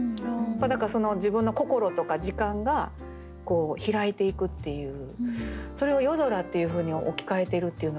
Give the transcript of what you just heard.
だからその自分の心とか時間が開いていくっていうそれを「夜空」っていうふうに置き換えてるっていうのがね